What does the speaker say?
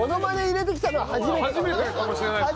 初めてかもしれないですね。